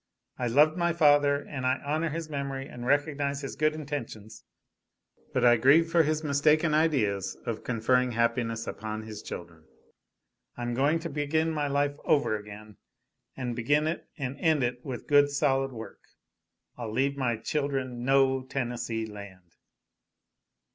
I loved my father, and I honor his memory and recognize his good intentions; but I grieve for his mistaken ideas of conferring happiness upon his children. I am going to begin my life over again, and begin it and end it with good solid work! I'll leave my children no Tennessee Land!"